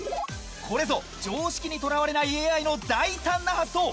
これぞ常識にとらわれないＡＩの大胆な発想。